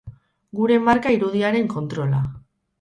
Gure marka irudiaren kontrola.